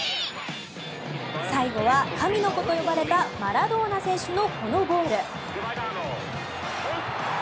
最後は、神の子と呼ばれたマラドーナ選手のこのゴール。